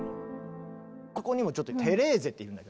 ここにもちょっと「テレーゼ」っているんだよね。